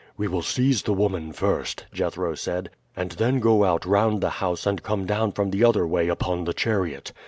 "We will seize the woman first," Jethro said, "and then go out round the house and come down from the other way upon the chariot.